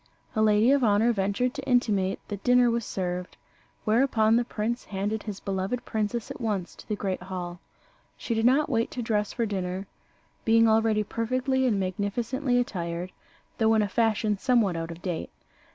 A lady of honour ventured to intimate that dinner was served; whereupon the prince handed his beloved princess at once to the great hall. She did not wait to dress for dinner, being already perfectly and magnificently attired, though in a fashion somewhat out of date.